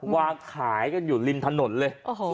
วางขายกันอยู่ริมถนนเลย